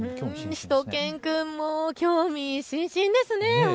しゅと犬くんも興味津々ですね。